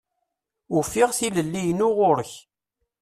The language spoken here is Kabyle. Ufiɣ tilelli-inu ɣur-k.